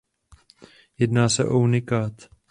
Jedná se o unikát.